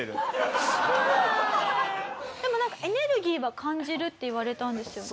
でもなんか「エネルギーは感じる」って言われたんですよね？